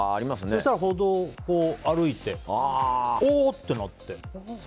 そうしたら、歩道を歩いていておー！ってなって。